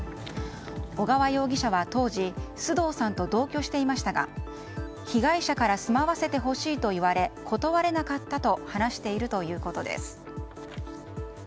小川容疑者は当時須藤さんと同居していましたが被害者から住まわせてほしいと言われ断れなかったと話しているということです。